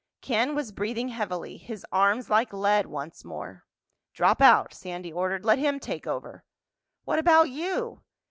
Ken was breathing heavily, his arms like lead once more. "Drop out," Sandy ordered. "Let him take over." "What about you?"